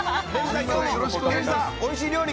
おいしい料理